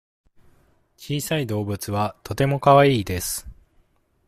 小さい動物はとてもかわいいです。